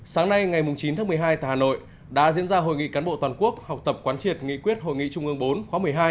sáng nay ngày chín tháng một mươi hai tại hà nội đã diễn ra hội nghị cán bộ toàn quốc học tập quán triệt nghị quyết hội nghị trung ương bốn khóa một mươi hai